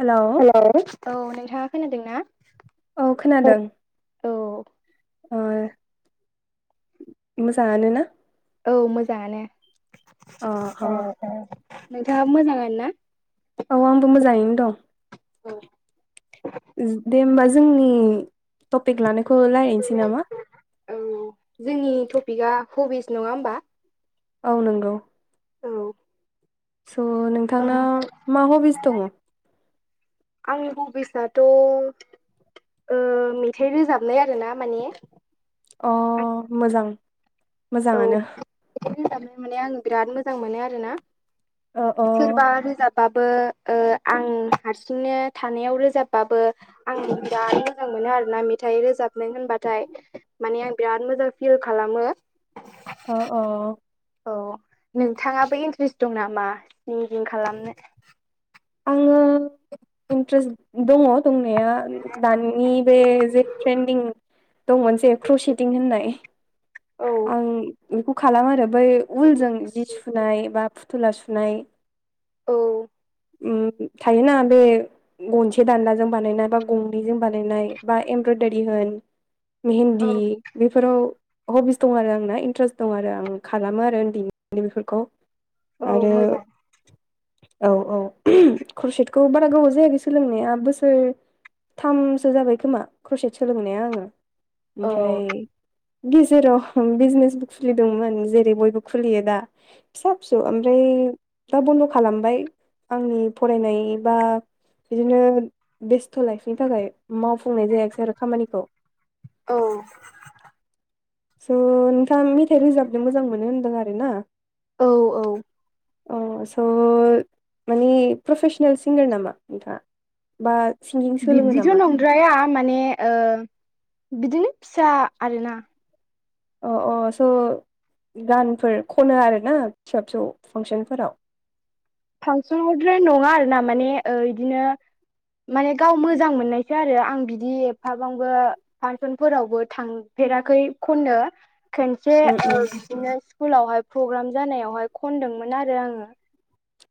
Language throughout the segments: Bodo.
हेलौ हेल' औ नोंथाङा खोनादों ना औ खोनादों अ मोजां आनोना औ मोजाङानो अ अ औ औ नोंथाङा मोजाङानो ना औ आंबो मोजाङैनो दं औ दे होमबा जोंनि टपिक लानायखौ रायलायनोसै नामा? औ जोंनि टपिकआ हबिस नङा होमबा? औ नंगौ। औ स' नोंथांना मा हबिस दङ आंनि हबिसआथ' मेथाइ रोजाबनाय आरो ना माने अ मोजां मोजाङानो रोजाबनो माने आं बिराद मोजां मोनो आरोना अ अ बा रोजाबबाबो ओ आं हारसिंनो थानायाव रोजाबबाबो आं बिराद मोजां मोनो आरोना मेथाइ रोजाबनो होनबाथाय। माने आं बिराद मोजां फिल खालामो अ अ औ नोंथाङाबो इन्ट्रेस्ट दं नामा सिंगिं खालामनो? आङो इन्ट्रेस्ट दङ दंनाया दानि बे जे ट्रेन्दिं दंमोन जे क्रसिदिं होननाय औ आं बेखौ खालामो आरो बै उलजों जि सुनाय बा फुथुला सुनाय औ उम थायोना बे गंसे दानलाजों बानायनाय बा गंनैजों बानायनाय बा एमब्रयदारि होन औ मेहेन्दी बेफोराव हबिस दं आरो आंना इन्टारेस्ट दं आरो आं खालामो आरो उन्दैनिफ्रायनो बेफोरखौ। औ आरो मोजां औ औ खरसेतखौ बारा गोबाव जायाखै सोलोंनाया बोसोर थामसो जाबाय खोमा क्रसेत सोलोंनाया आङो, औ ओमफ्राय गेजेराव बिजनेसबो खुलिदोंमोन जेरै बयबो खुलियो दा फिसा फिसौ ओमफ्राय दा बन्द' खालामबाय आंनि फरायनाय बा बिदिनो बेस्थ' लाइफनि थाखाय मावफुंनाय जायासै आरो खामानिखौ। औ। स' नोंथाङा मेथाइ रोजाबनो मोजां मोनो होनदों आरो ना? औ औ। अ स' मानि प्रफेसनेल सिंगार नामा नोंथाङा? बा सिंगिं सोलोङो बिब्दिथ' नामा नंद्राया माने ओ बिदिनो फिसा आरोना। अ अ स' गानफोर खनो आरोना फिसा फिसौ फांसनफोराव? फांसनावद्राय नङा आरो ना माने इदिनो माने गाव मोजां मोननायसो आरो आं बिदि एफाबांबो फांसनफोरावबो थांफेराखै खननो। खनसे उम ओ उम बिदिनो स्कुलावहाय प्रग्राम जानायावहाय खनदोंमोन आरो आङो।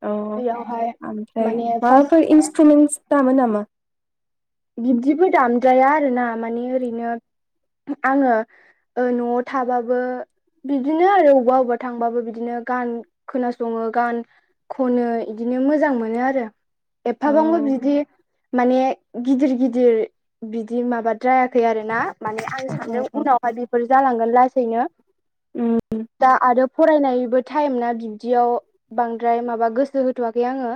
अ बेयावहाय ओमफ्राय माने फार्स्ट माबाफोर इन्सट्रुमेन्टस दामो नामा? बिब्दिबो दामद्राया आरो ना माने ओरैनो आङो ओ न'आव थाबाबो बिबदिनो आरो अबा अबेबा थांबाबो बिदिनो गान खोनासङो, गान खनो इदिनो मोजां मोनो आरो। अ एफाबांबो बिदि माने गिदिर गिदिर बिदि माबाद्रायाखै आरो ना माने आं सानदों अ उनाव [unintelligible] फोर जालांगोन लासैनो उम दा आरो फरायनायबो टाइम ना बिब्दियाव बांद्राय माबा गोसो होथ'वाखै आङो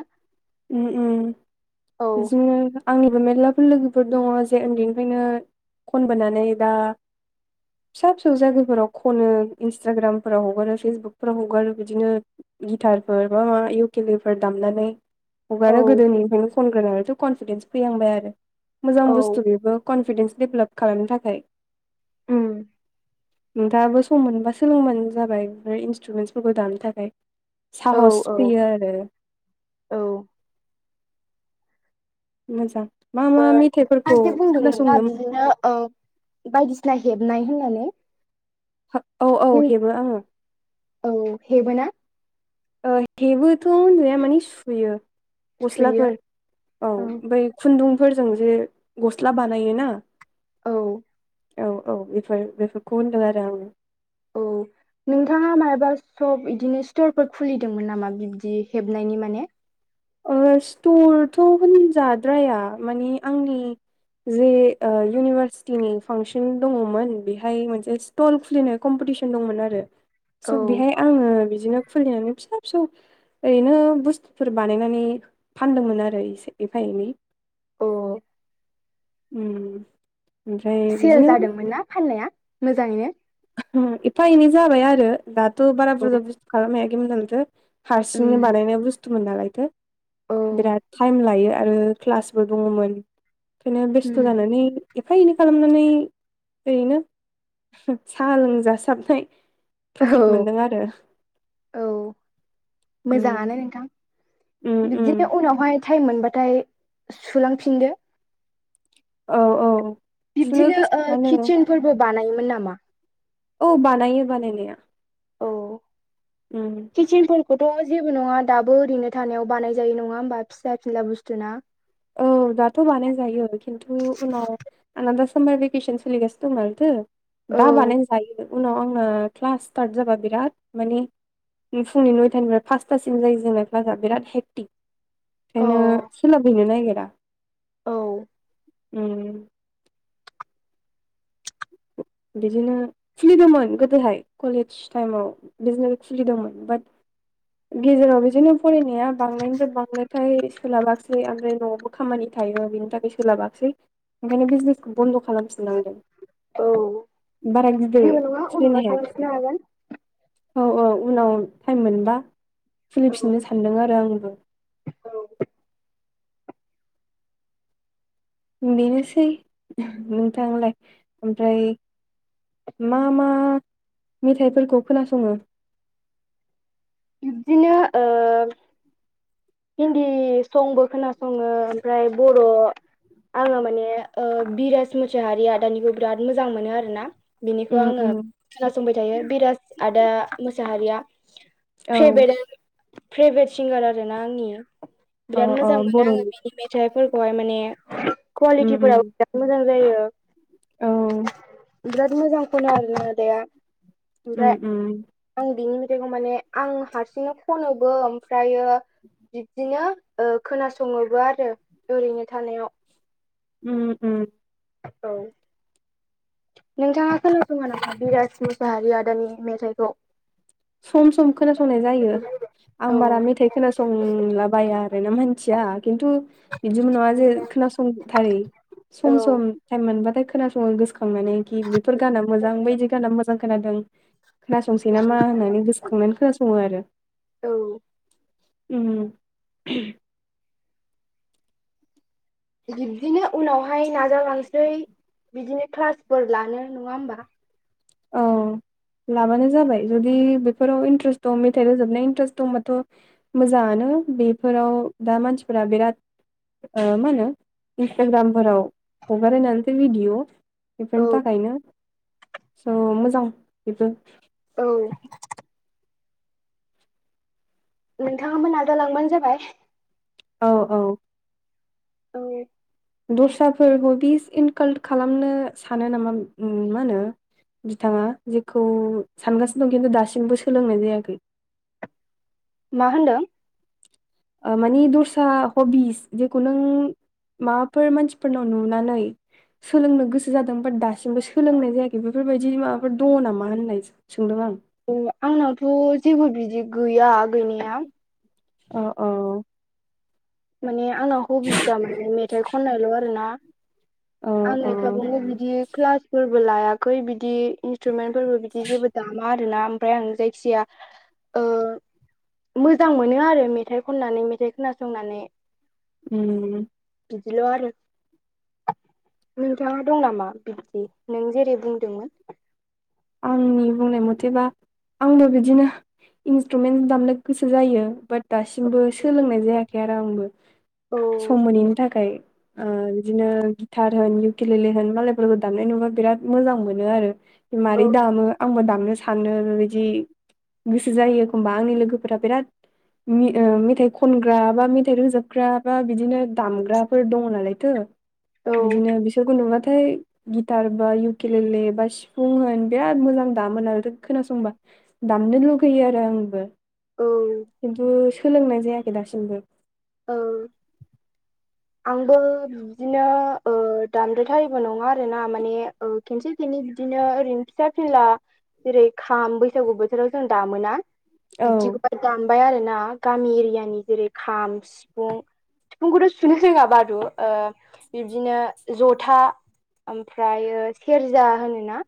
ओम ओम औ बिदिनो आंनिबो मेर्लाफोर लोगोफोर दङ जे उन्दैनिफ्रायनो खनबोनानै दा फिसा फिसौ जायगाफोराव खनो इन्स्टाग्रामफोराव हगारो फेसबुकफोराव हगारो बिदिनो गिटारफोर बा माबा इयउकिलिफोर दामनानै औ हगारो गोदोनिफ्रायनो खनग्रोनानैथ' कनफिदेन्स फैहांबाय आरो मोजां औ बुस्थु बेबो कनफिडेन्स डेभेलप खालामनो थाखाय? उम। नोंथाङाबो सम मोनबा सोलोंबानो जाबाय ओमफ्राय इन्सट्रुमेन्टसफोरखौ दानो थाखाय। औ साहस औ फैयो आरो। औ मोजां मा ओ मा नोंथाङा मेथाइफोरखौ जे बुंदोंमोन ना खोनासंनो बिदिनो ओ बायदिसिना हेबनाय होननानै औ औ नों हेबो आङो औ हेबो ना ओ हेबोथ' होनजाया माने सुयो सुयो गस्लाफोर औ ओमफ्राय खुन्दुंफोरजों जे गस्ला बानायोना औ औ औ बेफोर बेफोरखौ होनदों आरो आङो औ नोंथाङा माबा सप बिदिनो स्टरफोर खुलिदोंमोन नामा बिबदि हेबनायनि माने ओ स्टरथ' होनजाद्राया माने आंनि जे इउनिभारसिटिनि फांसन दङमोन बेहाय मोनसे सटल खुलिनाय कम्पिटिसन दंमोन आरो औ स' बेहाय आङो बिदिनो खुलिनानै फिसा फिसौ ओरैनो बुस्थुफोर बानायनानै फानदोंमोन आरो एसे एफा एनै अ उम ओमफ्राय सेल बिदिनो जादोंमोन ना फाननाया मोजाङैनो एफा एनै जाबाय आरो दाथ' बारा औ बुरजा बुस्थु खालामनो हायाखैमोन नालायथो हारसिंनो उम बानायनाय बुस्थुमोन नालायथो औ बिराद टाइम लायो आरो क्लासबो दङमोन ओंखायनो बेस्थ' उम जानानै एफा एनै खालामनानै ओरैनो साहा लोंजासाबनाय औ प्रफिट मोनदों आरो औ ओम मोजाङानो नोंथां बिब्दिनो उनावहाय टाइम मोनबाथाय सुलांफिनदो औ औ बिबदिनो सुनोबो ओ सानो किटसेेनफोरबो बानायोमोन नामा औ बानायो बानायनाया औ उम किचनफोरखौथ' जेबो नङा दाबो ओरैनो थानायाव बानाय जायो नङा होमबा फिसा फिनला बुस्थु ना औ दाथ' बानायजायो खिन्थु उनाव आंना दा सामार भेकेसन सोलिगास दं नालायथो दा औ बानायनो जायो उनाव आंना क्लास स्टार्ट जाबा बिराद माने फुंनि नयथानिफ्राय फास्ट्सिम जायो जोंना क्लासआ बिराद हेक्टिक अ ओंखायनो सोलाफहैनो नागिरा औ उम बिदिनो खुलिदोंमोन गोदोहाय कलेज टाइमाव बिदिनो खुलिदोंमोन बाट गेजेराव बिदिनो फरायनाया बांनायनिफ्राय बांनायखाय सोलाबाखसै ओमफ्राय न'आवबो खामानि थायो बिनि थाखाय सोलाबाखासै ओंखायनो बिजनेसखौ बन्द' खालामफिननांदों। औ बारा बिदै जेबो नङा फिदिंनो उनावहाय हायासै खालामफिननो हागोन औ औ उनाव टाइम मोनबा औ खुलिफिननो सानदों आरो आंबो औ बेनोसै नोंथांलाय ओमफ्राय मा मा मेथाइफोरखौ खोनासङो बिबदिनो हिन्दी संबो खोनासङो ओमफ्राय बर' आङो माने बिराज मुसाहारि आदानिखौ बिराद मोजां मोनो आरो ना बिनिखौ उम आङो उम खोनासंबाय थायो बिराज आदा मोसाहारिया। औ भे फेभारेट सिंगार आर ना आंनि अ बिराद अ मोजां मोनो बर'नि आङो मेथाइफोरखौहाय माने उम उम कुवालिटिफोराबो बिराद मोजां जायो। औ बिराद मोजां ख'नो आरो ना आदाया उम ओमफ्राय उम आं बिनि मेथाइखौ माने आं हारसिंनो खनोबो ओमफ्रायो बिब्दिनो ओ खोनासङोबो आरो ओरैनो थानायाव। उम उम औ नोंथाङा खोनासङा नामा बिराज मुसाहारि आदानि मेथाइखौ सम सम खोनासंनाय जायो औ आं बारा मेथाइ खोनासंला बाया आरो ना मोनथिया खिन्थु बिदिमोन नङा जे खोनासंथारै औ सम सम टाइम मोनबथाय खोनासङो गोसोखांनानै खि बेफोर गाना मोजां बायदि गाना मोजां खोनादों खोनासंसै नामा होननानै गोसोखांनानै खोनासङो आरो। औ बिब्दिनो उनावहाय नाजालांसै बिदिनो क्लासफोर लानो नङा होबा। औ [inaudible] लाबानो जाबाय जुदि बेफोराव इन्ट्रेस्ट दं मेथाइ रोजाबनाय इन्ट्रेस्ट दंबाथ' मोजाङानो बेफोराव दा मानसिफोरा बिराद ओ मा होनो इन्सटाग्रामफोराव हगारायनानैसो भिडिअ औ बेफोरनि थाखायनो स' मोजां बेबो औ नोंथाङाबो नाजालांबानो जाबाय औ औ औ दस्राफोरखौदि बिस इनकालट खालामनो सानो नामा मा होनो बिथाङा जेखौ सानगासिनो दं खिन्थु दासिमबो सोलोंनाय जायाखै मा होनदों ओ मानि दस्रा हबिस जेखौ नों माबाफोर मानसिफोरनाव नुनानै सोलोंनो गोसो जादों बाट दासिमबो सोलोंनाय जायाखै बेफोरबायदि माबाफोर दङ नामा होननाय सोंदों आं आंनावथ' जेबो बिदि गैया गैनाया अ अ माने आंना हबि जा माने मेथाइ खननायल' आरो ना। औ आं औ एफाबंबो बिदि क्लासफोरबो लायाखै बिदि इन्सथ्रुमेन्ट फोरबो बिदि जेबो दामा आरोना ओमफ्राय आं जायखि जाया ओ मोजां मोनो आरो मेथाइ खननानै मेथाइ खोनासंनानै उम बिदिल' आरो नोंथाङा दं नामा बिदि नों जेरै बुंदोंमोन आंनि बुंनाय मथेबा आंनो बिदिनो इन्सट्रुमेन दामनो गोसो जायो बाट दासिमबो सोलोंनाय जायाखै आरो आंबो औ सम मोनैनि थाखाय ओ बिदिनो गिटार होन इउकिलेले होन मालायफोरखौ दामनाय नुबा बिराद मोजां मोनो आरो मारै औ दामो आंबो दामनो हानो बिदि गोसो जायो एखमबा आंनि लोगोफोरा बिराद मि ओ मेथाइ खनग्रा बा मेथाइ रोजोबग्रा बा बिदिनो दामग्राफोर दङ नालायथो औ बिदिनो बिसोरखौ नुबाथाय गिटार बा इउकिलेले बा सि बुं होन बिराद मोजां दामोनालायथो खोनासंबा दामनो लुगैयो आरो आंबो औ खिन्थु सोलोंनाय जायाखै दासिमबो ओ आंबो बिदिनो ओ दामद्रायथारिबो नङा आरोना माने ओ खेनसे खनै बिदिनो ओरैनो फिसा फिला जेरै खाम बैसागु बोथोराव जों दामोना औ बिदिखौ दामबाय आरो ना गामि एरियानि जेरै खाम सिफुं सिफुंखौथ' सुनि रङा बारु बिब्दिनो जथा ओमफ्राय सेरजा होनोना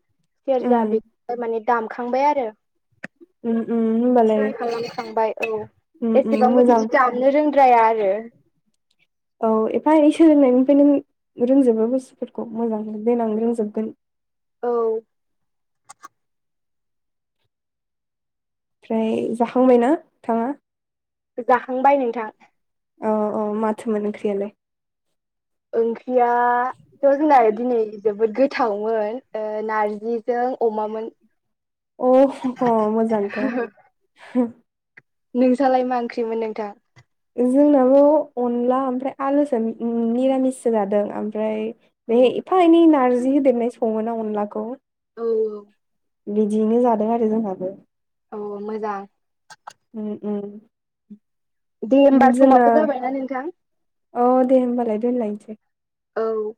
उम सेरजा बेखौ माने दामखांबाय आरो उम उम होमबालाय थ्राय खालामखांबाय औ उम उम एसेबांबो मोजां बिदि दामनो रोंद्राया आरो औ एफा एनै सोलोंनायनिफ्रायनो रोंजोबो बुस्थुफोरखौ मोजां देनां रोंजोबगोन औ फ्राय जाखांबाय ना थाङा जाखांबाय नोंथां औ औ माथो मोन ओंख्रियालाय ओंख्रियाथ' जोंना दिनै जोबोद गो थावमोन ओह नारजिजों अमामोन अ ह' मोजांथ' ओ नोंसालाय मा ओंख्रिमोन नोंथां जोंनाबो अनला ओमफ्राय आलुसो ओ निरामिससो जादों ओमफ्राय औ बे एफा एनै नारजि होदेरनाय सङो ना अनलाखौ औ औ बिदियैनो जादों आरो जोंहाबो औ मोजां ओम ओम दे होमबा जोंना समाबो जाबायना नोंथां औ दे होनोमबालाय दोनलायसै औ